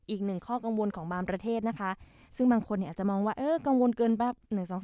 อีกหนึ่งข้อกังวลของบางประเทศนะคะซึ่งบางคนอาจจะมองว่าเออกังวลเกินบ้าง๑๒๒